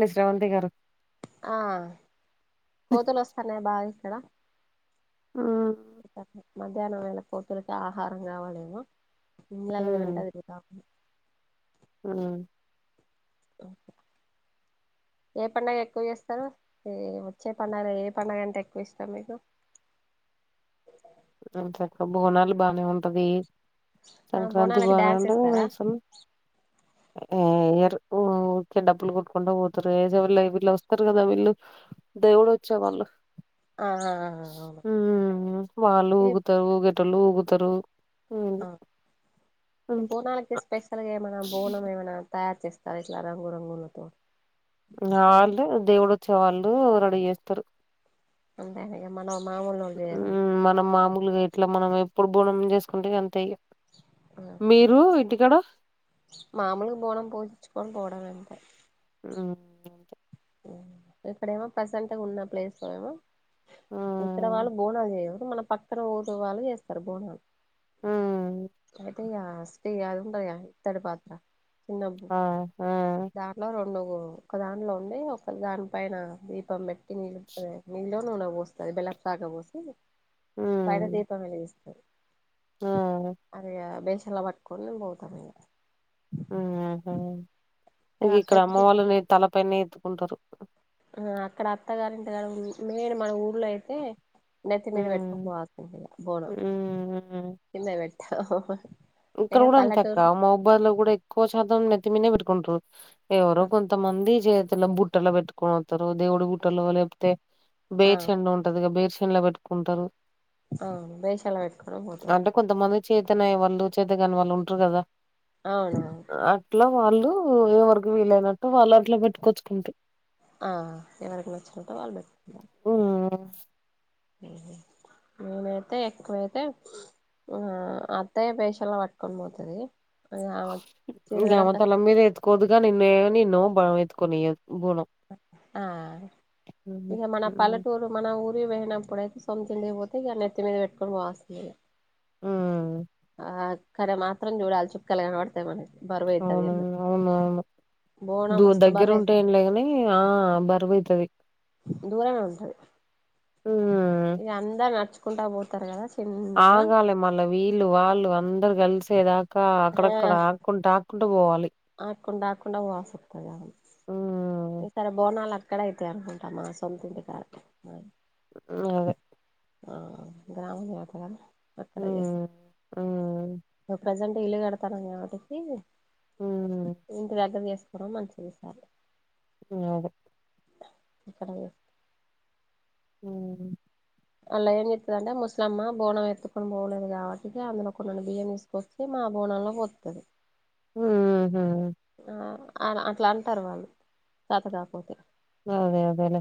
ని శ్రవంతి గారు ఆ కోతులు వస్తన్నయి బాగా ఇక్కడ ఊ మధ్యాహ్నం వేళ కోతులకి ఆహారం కావాలేగా ఇయ్యాలకు తింటాయి [inaudible] పాపం ఊ ఊహూ ఏ పండగ ఎక్కువ చేస్తారు వచ్చే పండగలో ఏ పండగ అంటే ఎక్కువ ఇష్టం మీకు ఎంచక్కా బోనాలు బానే ఉంటది ఆ సంక్రాంతి బోనాలకి బానే డాన్స్ ఏస్తారా ఆ ఎయ్యరు ఊక్కే డప్పులు కొట్టుకుంటా పోతారు ఏసేవాళ్ళు వీళ్ళు వస్తారు కదా వీళ్ళు దేవుడొచ్చే వాళ్ళు ఆ ఆ ఆ ఆ అవును ఉమ్ వాళ్ళు ఈ ఊగుతారు ఊగే టోల్లు ఊగుతారు ఆ ఈ బోనాలకి స్పెషల్గా ఏమైనా బోనం ఏమైనా తయారు చేస్ తారు ఇట్లా రంగు రంగులతో వాళ్ళు దేవుడోచ్చే వాళ్ళు రెడీ చేస్తారు అంతే ఇగ మనం మామూలోళ్ళు చేయరు ఉమ్ మనం మామూలుగే ట్లా మనం ఎప్పుడు బోనం చేసుకుంటే గంతే ఇగ మీరు ఇంటికాడ మామలుగా పోడం పోపిచ్చుకోడం పోవడం అంతే ఊ ఊ ఎక్కడైనా ప్రసెంట్ గున్న ప్లేస్ లో ఏమో ఇక్కడ వాళ్ళు మ్మ్ బోనాలు చేయరు మన పక్కన ఊరు వాళ్ళు చేస్తారు బోనాలు అయితే ఇగ [unintelligible] అది ఉంటయా ఇతడి పాత్ర చిన్నది అ ఆ దాంట్లో రెండు ఒక దాంట్లో ఉండి ఒక దాని పైన దీపం పెట్టి నిలు నీల్లో నూనో పోస్తుది బెల్లపు పాక పోసి పైన హ్మ్ దీపం ఎలిగిస్తురు ఆ అది ఇగ బెన్షన్లా పట్ కొని బోతాం ఇగ ఊహూ ఇది ఇక్కడ అమ్మ అక్కడింటి వాళ్ళని తలపైనే ఎత్తుకుంటారు ఆ అక్కడ అత్తగారింటి కాడ మెయిన్ మన ఊర్లో అయితే నిత్తి మీదే హ్మ్. వెట్కొపో [inaudible] బోనం హ్మ్. హ్మ్. కిందకి బెట్తే [unintelligible] ఇక్కడ కూడా అంతే అక్క మొబైల్ లో కూడా ఎక్కువ శాతం నెత్తిమినే పెట్టుకుంటారు ఎవరో కొంతమంది చేతులో బుట్టలో పెట్టుకొని పోతారు దేవుడి బుట్టలో లేపోతే ఆ బేర్షన్ ఉంటది గా బేర్షన్ లో పెట్టుకుంటారు అవును బేషన్లో పెట్టుకోని పోతారు అంటే కొంతమంది చేతనయ్యే వాళ్ళు చేత కాని వాళ్ళు ఉంటారు కదా అవునా అట్లా వాళ్ళు ఎవరకు వీలైనట్టు వాళ్ళు అట్లా పెట్టుకొచ్చుకుంట ఆ ఎవరికి నచ్చినట్టు వాళ్ళ పెట్టుకున్నారు ఊ నేనైతే ఎక్కువైతే ఊ అత్తయ్య బేషన్ ల పట్టుకొని పోతుది ఊ ఆమెకు తిరగడం కష్టమై కోదు గానీ నే నిన్ను బ ఎత్తుకోనియ్యదు బోనం ఆ హుహు. ఇగ మన హ్మ్. పల్లెటూరు మన ఊరి పోయినప్పుడయితే సొంతందికపోతే ఇక నెత్తి మీద పెట్టుకొని పోవాల్సిందే హ్మ్. ఆ అక్కడ మాత్రం చూడాలి చుక్కలు కనబడతాయి మనకి బరువైతది అవును ఎందుకు అవును అవును బోనం దూ మస్తు దగ్గర ఉంటే బరువైతది ఏంలేగాని హ్మ్ ఆ బరువు అయితది దూరంమే ఉంటది ఉమ్ ఇగ అందరు నడుచుకుంటా పోతారు గదా ఆగాలి మళ్ళ వీళ్ళు వాళ్ళు అందరు కలిసేదాకా అక్కడక్కడ ఆ ఆక్కుంటా ఆకుంట పోవాలి ఆకుంట ఆకుంట పోవాల్సి అత్తది అడ హ్మ్. ఈ సరే బోనాలు అక్కడ అయితాయి అనుకుంట మా సొంత ఇంటి కాడ ఉ అదే హ గ్రామంమేక్కడ అక్కడ చేసి హ్మ్. హ్మ్. ప్రజెంట్ ఇల్లు కడతానుం కాబట్టిటి హ్మ్. ఇంటి దగ్గర చేసుకోవడం మంచిది ఈసారి ఉ అదే ఎక్కడ ఉహు అలా ఏం చెప్తుద అంటే ముసలమ్మ బోనం ఎత్తుకొని పోలేదు కాబట్టి అందులో కొన్ని బియ్యం ఇస్త వచ్చి మా బోనంలో పొత్తరు ఉహూ ఆ ఆ ఆ అట్లా అంటారు వాళ్ళు శతకాకపోతే అదే అదేలే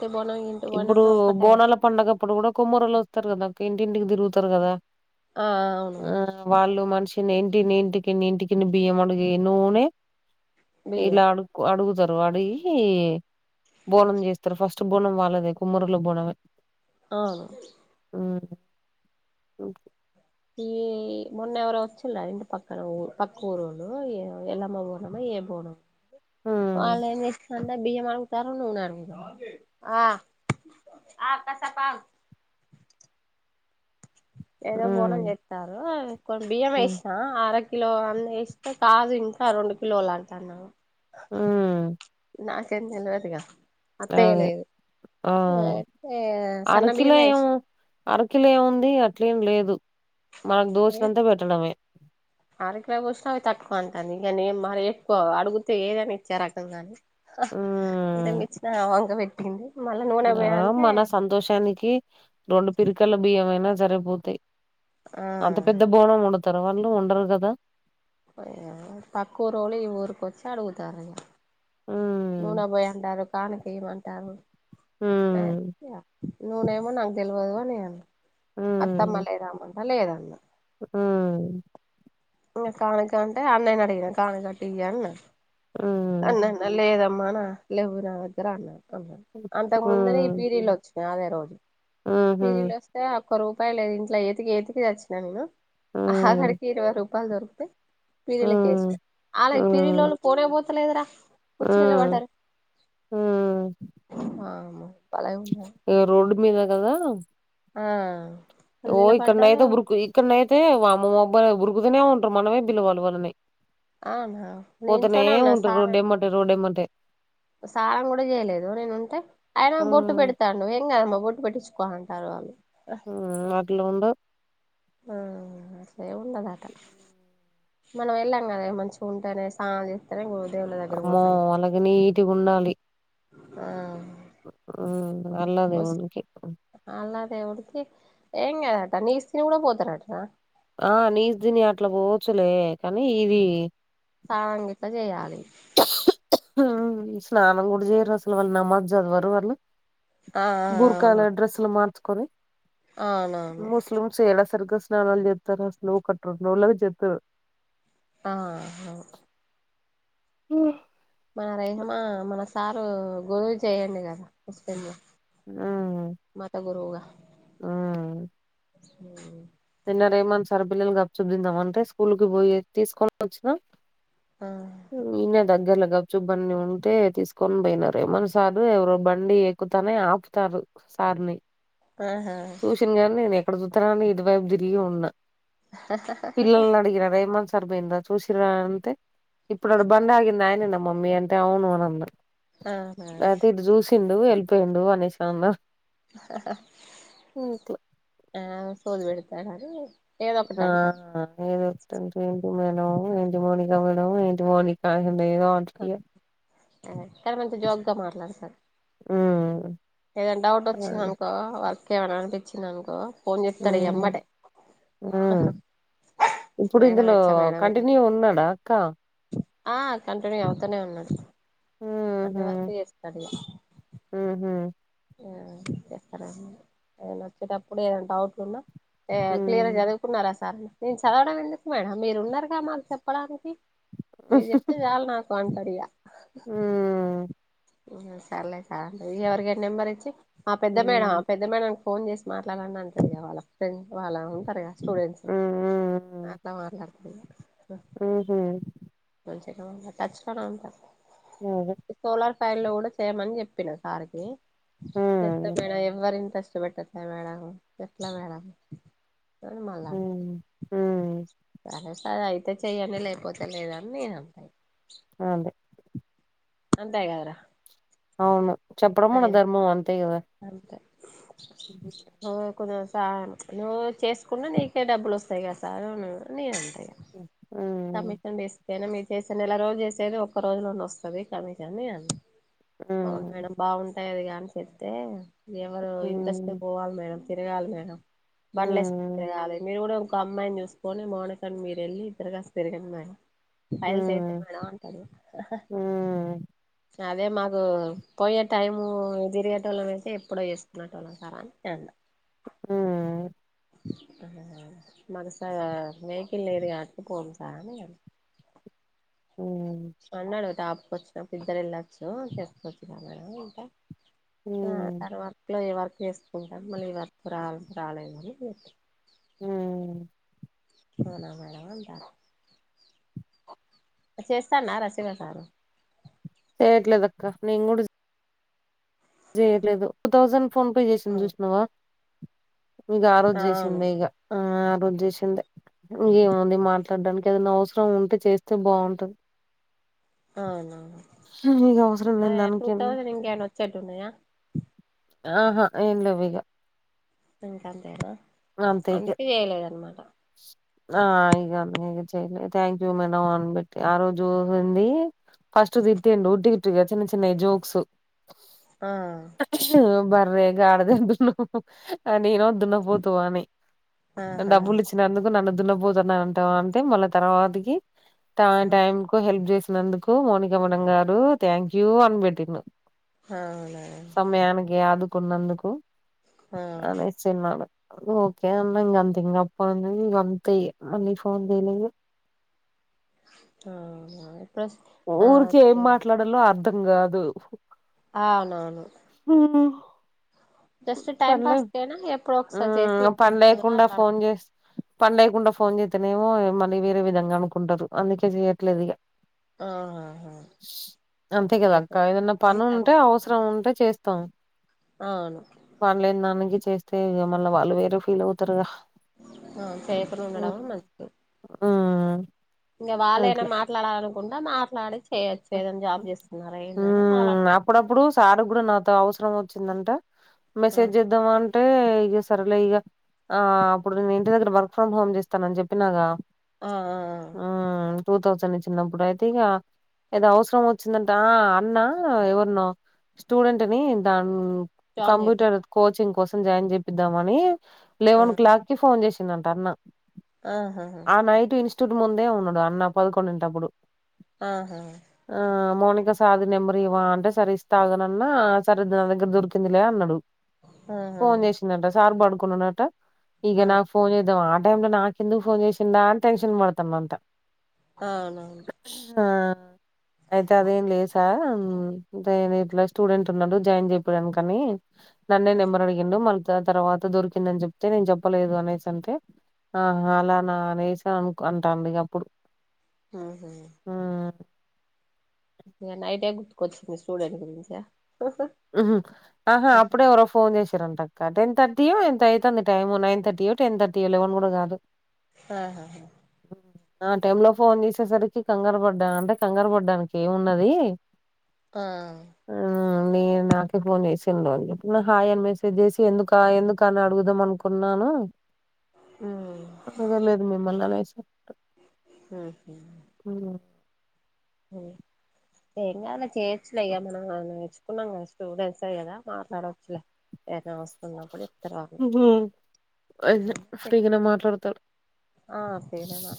అే పోనం ఇంటి పోనంలో ఒకటేైన పండుగప్పుడు కూడా కుమ్మరోళ్లు అత్తరు కదా అక్క ఇంటింటికి తిరుగుతారు కదా ఆ ఆ అవును అవును వాళ్ళు మనిషిని ఇంటిని ఇంటికినీ ఇంటికిని బియ్యం అడిగి నూనే బియ్యం ఇలా అడుగు అడుగుతారు అడిగి బోనం చేస్తారు ఫస్ట్ బోనం వాళ్ళు దే కుమ్మరోళ్ళకు బోనమే అవును ఉ ఓకే ఈ మొన్న ఎవరో అచ్చిరా ఇంటి పక్కన ఊ పక్క ఊరోళ్ళు ఎలమ్మ బోనమో ఏ బోనం హ్మ్ వాళ్ళ ఏం చేస్తారు బియ్యం అడుగుతాండ్రు నూనె అడుగుతాండ్రు ఆ కాసేపు ఆగు ఏదో బోనం హ్మ్ చేస్తారో కొన్ని బియ్యం హ్మ్ ఆసిన్ ఆరో కిలో అని ఎస్తే కాదు ఇంకా రెండు కిలోలు అంటది ఆమె ఉ నాకేం తెలవదిగా అత్తయ్య అదే లేదు ఆ అయితే సన్న బియ్యం ఎసా అరకిల ఏముంది అట్లే లేదు మనకు దోచినంతా పెట్టడమే ఆరకిల పోసిన అవి తక్కువ అంటాంది కానీ మరి ఎక్కువ అడుగుతే ఏదని ఇచ్చారుకం గాని హ్మ్ ఇటంక ఇచ్చిన వంక పెట్టింది మళ్ళీ నూనె పోయి ఆ అంటే మన సంతోషానికి రెండు పిరికల బియ్యం అయినా సరిపోతాయి ఆ అంత పెద్ద బోనం ఉండద్ తర వాళ్ళు ఉండరు కదా పక్కురోళ్ళు ఈ ఊరుకోచ్చి అడుగుతారండి హ్మ్ నూనబోయ్ అంటారు కానకేయమంటారు హ్మ్ నా నూనె ఏమో నాకు తెలవదు నేన్ అన్న అత్తమ్మలేదమ్మా మా లేదన్న హు ఇగ కనకంట అంటే అన్నయ్యని ఆడిగినా కానకటియన్న అన్నా అన్నా లేదమ్మా నా లెవ్వు నా దగ్గర అన్నడు అవునా అంతకు ముందునే ఈ హ్మ్ పిరీల్ వచ్చినాయి అదే రోజు ఊహూ పీరిలోస్తే తే ఒక్క రూపాయ లేదు ఇంట్లో ఎతికి ఏతికి సచ్చినా నేను హ్మ్ ఆఖరికి ఇరవై రూప్ పాలు దొరుకుతే హ్మ్ పిరిలకేసినా అలా హ్మ్ పిరిలోళ్ళు పోనే పోతలేదురా వచ్చి హ్మ్ నిలబడ్డారు హ్మ్ వామ్మో బలే ఉన్నారు ఇగ రోడ్ మీద కదా ఆ వాళ్ళు ఓ నిలబడ్డారు ఇక్కడనయితే ఉరుకు ఇక్కడనయితే వామ్మో అబ్బ ఉురుకుతనే ఉంటారు మనమే పిలవాలి వాళ్ళని అవునా నే ఇంట్లోనే ఉన్నా సార్ రోడ్ ఎమ్మ్బట్టే స్నానం కూడా చేయలేదు నేను ఉంటే అయన బొట్టు హ్మ్ పెడతాండు ఏంగాదమ్మ బొట్టు పెట్టించుకో అంటారు వాళ్ళు ఉ అట్లుండోద్ ఆ అట్లేముండదట మనం వెళ్ళాం కదా మంచిగా ఉంటేనే సాన్ దేవుళ్ళ దగ్గర అమ్మో పోతాం వాళ్ళకి నీట్‌గుండాలి. ఆ అల్లా ఓస్ దేవునికి అల్లా దేవుడికి ఏం కాదట నీస్ తిని కూడా పోతరట ఆ నీస్ దిని అట్లా పోవోచ్చులే కానీ ఇది స్నానం గిట్ల చేయాలి ఆ స్నానం కూడా చేయరు అసలు వాళ్ళు నమాజ్ చదవరు వాళ్ళు ఆ ఆ అవును బుర్కాల డ్రెస్సులు మార్చుకొని అవునవును ముస్లిం చేలసర్కా స్నాలాలు చేస్తారు అసల్ ఒకట్రెండు రోజులక్ జెత్తారు ఆహా ఉహ్ మన రహమా మన సారు గోరువు చేయండి కదా ముస్లింలు మ్మ్ మాత గురవుగా మ్మ్ నిన్న రెహ్మాన్ సార్ పిల్లలు గప్ చుప్ తిందమంటే స్కూల్ కి పోయి తీసుకొనోచ్చినా ఆ ఇడ్నే దగ్గరలో గప్ చుప్ బన్నీ ఉంటే తీసుకొని పోయినా రెహ్మాన్ సారు ఎవరో బండి ఏక్కుతానే ఆపుతారు సార్ని ఆహా సుషిన్ గని నేను ఎక్కడ చూస్తారా అని ఇంటి వైపు తిరిగి ఉన్నా పిల్లల నీ అడిగిన రేమన్ సార్ బోయిండా చూసిరా అంటే ఇప్పుడడా బండ్ ఆగింది ఆయన నా మమ్మీ అంటే అవును అని అన్నా ఆహా అయితే ఇటు చూసిండు వెళ్ళిపోయిండు అనేసి అన్న హా హా ఇంట్లో ఆ సోది పెడతాడానీ ఆ లేదు ఏంటి మేడం ఏంటి మౌనిక మేడం ఏంటి మౌనిక ఏదో అంటు క్క మంచి జోకుగా మాట్లాడుతారు హ్మ్మ్ ఏదైనా డౌట్ వచ్చిందనుకో వర్క్ ఏమన్నా అనిపించింది అనుకో ఫోన్ చెస్తాడు ఎమ్మటే హ్మ్మ్ ఇప్పుడు మేడం ఇందులో ఎట్లా మేడం ఇది కంటిన్యూ ఉన్నాడా అక్క ఆ కంటిన్యూ అవుతూనే ఉన్నాడు అన్న ఉహు వర్క్ చేస్తాడు ఇగ ఉహు హ్మ్మ్ చేస్తారాండి నేను వచ్చేటప్పుడు ఏదైనా డౌట్లు ఉన్నా క్లియర్గా ఉమ్ చదువుకున్నారా సార్ నేను చదవడం ఎందుకు మేడం మీరు ఉన్నారుగా మాకు చెప్పడానికి మీరు చెప్తే చాలు నాకు అంటడు ఇగా ఉమ్ సర్లే సర్ అ ఎవరికి ఏ నెంబర్ ఇచ్చి ఆ పెద్ద మేడం ఆ ఉమ్ పెద్ద మేడం ఫోన్ చేసి మాట్లాడండి అంటడిగా వాళ్ళ ఫెం వాళ్ళు ఉంటారుగా స్టూడెంట్స్ ఉమ్ అట్లా మాట్లాడుతు ఉహు మంచిగా ఉంటారు టచ్లోనే ఉంటారు అవు సోలార్ ఫ్యాన్లు కూడా చేయమని చెప్పిన సార్కి ఉమ్ చెస్తా మేడం ఎవ్వరూ ఇంట్రెస్ట్ పెట్టట్లే మేడం ఎట్లా మేడం అని మళ్ళా హ్మ్మ్ హ్మ్మ్ సరే అయితే చెయ్యండి లేకపోతే లేదు అని నేను అంటాను అ అదే అంతేగదరా అవును చెప్పడం మన ధర్మం అంతే కదా అంతే ఓ కొంచం సాయం నువ్వు చేసుకున్న నీకే డబ్బులు వస్తాయి కదా సార్ నీను అంట ఇగ ఉమ్ కమిషన్ తీస్తేనా మీరు చేసే నెల రోజు చేసేది ఒక్క రోజులోనే వస్తుంది కమిషన్ అని నేను అన్న అవును ఉమ్ మేడం బాగుంటది అది కానీ చెప్తే ఎవరు ఇంట్రెస్ ఉమ్ పోవాలి మేడం తిరగాలి మేడం బన్లెస్ తిరగాలి మీరు కూడా ఒక అమ్మాయిని చూసుకొని మౌనికని మీరు వెళ్ళి ఇద్దరు కలిసి తిరగండి నా ఫైల్స్తే ఉమ్ అయితయి మేడం అంటడు ఆహా మ్మ్ అదే మాకు పోయే టైము తిరిగేటోలామ్ అయితే ఎప్పుడో చేసుకునేటోళ్ళము యన్ కెనడా హ్మ్మ్ మన సైడ్ వెకిల్ లేదు కాబట్టి కొల్లు సాగు మ్మ్ అన్నాడు టాపుకొచ్చినప్పు ఇద్దరు వెళ్ళొచ్చు చెప్పుకోవచ్చు క మేడం అంటె ఆ మ్మ్ ఆ వర్క్లో ఏ వర్క్ చేసుకుంటారు మళ్ళీ ఈ వర్క్ ర రాలేదని చెప్పారు హ్మ్మ్ అవునా మేడం అంటారూ చేస్తాన్నరా శివ సారు చేయట్లేదక్క నేను కూడా చేయట్లేదు టూ థౌజండ్ ఫోన్పే చేసినా చూసినవా ఇగా ఆ రోజు అవును చేసిందే ఇగా ఆ ఆ రోజు చేసిందే ఏముంది మాట్లాడడానికి ఏదైనా అవసరం ఉంటే చేస్తే బాగుంటది అవునవును. ఇగ అవసరం ఆ లేని టూ దానికి థౌజండ్ ఇంకేమనా వచ్చేట్టు ఉన్నాయా? ఆహా ఏమి లేవు ఇగ ఇంకంతేనా అంతేగా అందుకే చేయలేదన్నమాట ఆ ఇగ అ ఇక చెయ్యలే థ్యాంక్ యూ మేడం అనిబెట్టి ఆ రోజు ఉంది ఫస్ట్ తిట్టిండు ఊటీగానే చిన్న చిన్న జోక్స్ ఆ చు బర్రె గాడిద దున్న ఆన్ ఈ రోజ్ దున్న పోతు అని, ఆహా డబ్బులు ఇచ్చినందుకు నన్ను దున్నపోతు అంటావా అంటే మళ్ళీ తర్వాతకి త టైం కు హెల్ప్ చేసినందుకు, మోనిక మేడం గారు థ్యాంక్ యూ అని పెట్టిరు. అవునా సమయానికి ఆదుకున్నందుకు ఆ అనీ చిన్నాడు ఓకే అన్న ఇంగ అంత ఇంగ అప్పనుండి ఇంగంతే, మళ్ళీ ఫోన్ చేయలేదు. ఆ ప్రెస్ ఊరికే ఏం మాట్లాడాలో అర్ధం కాదు ఆ అవునవును ఊ జస్ట్ టైం పన్లే పాస్ కేనా ఎప్పుడో ఒకసారి చేసి ఊ ఏం చేస్తున్నారో పన్లేకుండా అట్లా అడగ ఫోన్ చేస్ పన్లేకుండా ఫోన్ చేతనేమో మళ్ళీ వేరే విధంగా అనుకుంటరు అందుకే చెయట్లేదు ఇగ. ఆహాహా అంతే కదా అక్క చేయకూడదు ఏదన్న పని అంతే ఉంటే అవసరం ఉంటే చేస్ తో ఆ అవు వాన్లేని దానికి చేస్తే మళ్ళ వాళ్ళు వేరే ఫీల్ అవుతరుగా చేయకుండ ఉండడమే మంచిది ఉమ్ ఇంగ వాళ్ళైన మాట్లాడాలి అనుకుంటె, మాట్లాడి చేయొచ్చు ఏదైనా జాబ్ చేస్తున్నారా ఏంది అని వాళ్ళ హ్మ్ అప్పుడప్పుడు సార్ కూడా నాతో అవసరం వచ్చిందంటె ఆ మెసేజ్ చె దమ్ అంటే ఇగ సర్లే ఇగా ఆ అప్పుడు నేను ఇంటి దగ్గర వర్క్ ఫ్రమ్ హోమ్ చేస్తానని చెప్పినాగ ఆ ఆ ఆ ఆ టూ థౌసండ్ చిన్నప్పుడు అయితే ఇగా ఏదో అవసరం వచ్చిందంట, ఆ అన్న ఎవర్నో స్టూడెంట్ ని దాన్ జాయిన్ చేపియ్ కంప్యూటర్ కోచింగ్ కోసం జాయిన్ చేపిద్దామని, ఆ లెవెన్ క్లాక్ కి ఫోన్ చేసిందంట అన్న ఆహ ఆ నైట్ ఇన్స్టిట్యూట్ ముందే ఉన్నడు అన్న పదకొండింటప్పుడు ఆహ ఆ మోనిక సార్ధి నెంబరు ఇయ్యవా అంటే, సరే ఇస్తా ఆగనన్న సరే నా దగ్గర దొరికిందిలే అన్నడు. ఆహా ఫోన్ చేసిందంట, సార్ పడుకొని ఉన్నరట ఇగ ఆ నాక్ ఫోన్ చేద్దా ఆ టైం లో నాకు ఎందుకు ఫోన్ చేసిందా అని టెన్షన్ పడ్తుండు అంట అవునవును ఆ అయితే అదేం లేస్ ఇట్లా అంటే ఇట్ల స్టూడెంట్ ఉన్నాడు జాయిన్ చేపియడానికని నన్నే ఆ నెంబర్ అడి గిండు మల్ తర్ తర్వాత దొరికిందని చెప్తే నేను చెప్పలేదు అనేసి అంటే ఆ అలానా అనేసి అ అంటాండు ఇగ అప్పుడు ఆహ ఉమ్, ఇగ నైటే గుర్తుకొచ్చింది స్టూడెంట్ గురించా ఉ ఆహా అప్పుడే ఎవరో ఫోన్ చేసిరంట క టెన్ థర్టీయో ఎంత అయితాంది టైమ్ నైన్ థర్టీయో టెన్ థర్టీయో లెవెన్ కూడా కాదు ఆహా ఆ టైమ్ లో ఫోన్ చేసేసరికి కంగారు పడ్డా అంటే కంగారు పడ్డానికి ఏమున్నది ఆ ఆ నేన్ నాకే ఫోన్ చేసిండు వాళ్ళు హాయ్ అని మెసేజ్ చేసి ఎందుకా ఎందుకా అని అడుగుదాం అనుకున్నాను అనగ లేదు మిమ్మల్ని అనేసి అట ఉహ్మ్ ఉ ఉమ్ ఏం కాదులే చేయొచ్చులే ఇక మనం నేర్చుకున్నాం కదా స్టూడెంట్సే కదా మాట్లాడొచ్చులే ఏదైనా అవసరం ఉన్నప్పుడే చెప్తా ఉహ్మ్ అ గానే ఫ్రీగానె మాట్లాడుతాడు ఆ ఫ్రీనే మా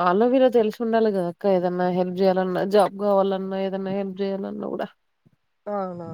వాళ్ళో వీళ్ళో తెలిసి ఉండాలి కదా అక్క ఏదన్నా హెల్ప్ చేయాలన్నా జాబ్ కావాలన్నా ఏదన్నా హెల్ప్ చేయాలన్నా కూడా అవునా